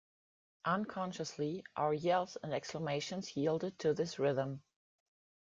Unconsciously, our yells and exclamations yielded to this rhythm.